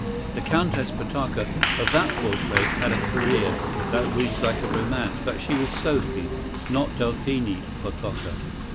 The Countess Potocka of that portrait had a career that reads like a romance, but she was Sophie, not Delphine Potocka.